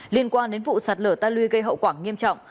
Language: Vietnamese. liên quan đến vụ sạt lở ta lưu gây hậu quả nghiêm trọng